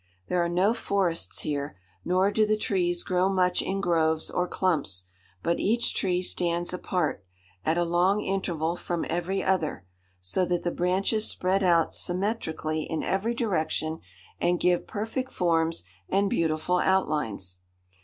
There are no forests here, nor do the trees grow much in groves or clumps, but each tree stands apart, at a long interval from every other, so that the branches spread out symmetrically in every direction and give perfect forms and beautiful outlines.